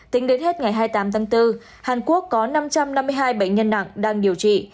tính đến hết ngày hai mươi tám tháng bốn hàn quốc có năm trăm năm mươi hai bệnh nhân nặng đang điều trị